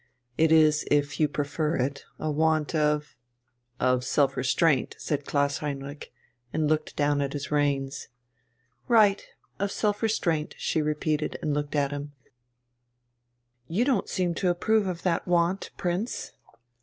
It is, if you prefer it, a want of " "Of self restraint," said Klaus Heinrich, and looked down at his reins. "Right, of self restraint," she repeated, and looked at him. "You don't seem to approve of that want, Prince."